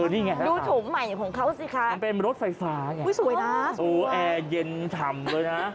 นี่ไงครับคะมันเป็นรถไฟฟ้าอย่างนี้โอ้โฮแอร์เย็นทำเลยนะ